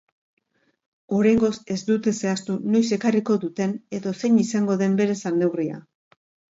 Oraingoz ez dute zehaztu noiz ekarriko duten edo zein izango den bere salneurria.